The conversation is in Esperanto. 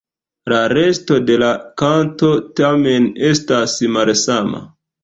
La resto de la kanto, tamen, estas malsama.